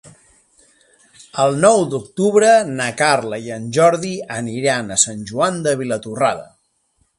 El nou d'octubre na Carla i en Jordi aniran a Sant Joan de Vilatorrada.